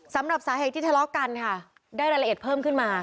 สำหรับสาเหตุที่ทะเลาะกันค่ะได้รายละเอียดเพิ่มขึ้นมา